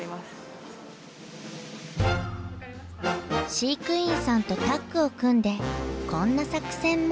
飼育員さんとタッグを組んでこんな作戦も。